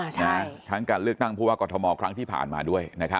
ใช่นะฮะทั้งกับเลือกนั่งภูมิว่ากฎธมครั้งที่ผ่านมาด้วยนะครับ